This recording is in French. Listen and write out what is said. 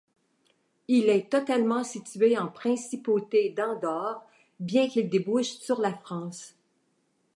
Il est totalement situé en principauté d'Andorre bien qu'il débouche sur la France.